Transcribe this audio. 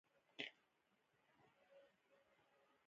له ښورښونو څخه منع کړي.